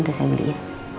terus saya beli ya